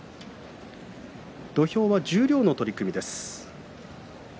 土俵は十両の取組です。